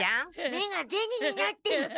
目がゼニになってる。